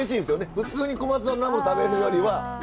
普通に小松菜のナムル食べるよりは。